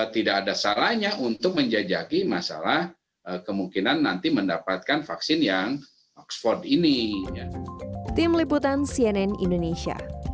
tidak ada saranya untuk menjajaki masalah kemungkinan nanti mendapatkan vaksin yang oxford ini